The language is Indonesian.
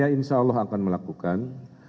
ya insya allah akan melakukan